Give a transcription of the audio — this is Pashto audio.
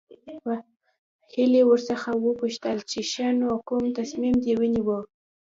هيلې ورڅخه وپوښتل چې ښه نو کوم تصميم دې ونيو.